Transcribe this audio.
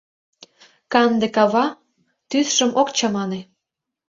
Канде кава тÿсшым ок чамане.